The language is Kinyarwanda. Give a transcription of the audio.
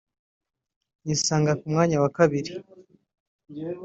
nisanga ku mwanya wa kabiri